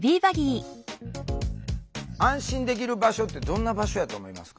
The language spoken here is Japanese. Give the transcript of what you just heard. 安心できる場所ってどんな場所やと思いますか？